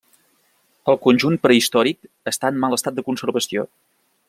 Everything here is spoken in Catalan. El conjunt prehistòric està en mal estat de conservació.